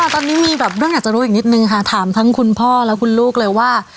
ตอนนี้มีแบบเรื่องอยากจะรู้อีกนิดนึงค่ะถามทั้งคุณพ่อและคุณลูกเลยว่า